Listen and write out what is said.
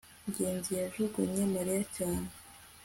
ngenzi yajugunye mariya cyane